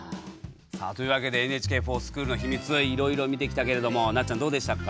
さあというわけで「ＮＨＫｆｏｒＳｃｈｏｏｌ」のヒミツいろいろ見てきたけれどもなっちゃんどうでしたか？